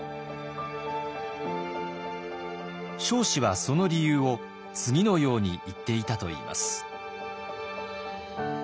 彰子はその理由を次のように言っていたといいます。